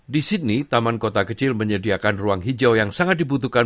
di sydney taman kota kecil menyediakan ruang hijau yang sangat dibutuhkan